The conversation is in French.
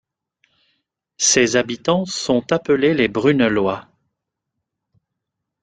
Ses habitants sont appelés les Brunelois.